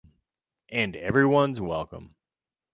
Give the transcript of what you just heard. And everyone’s welcome.